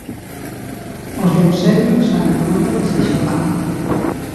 Os de Eusebio saben o moito que se xogan.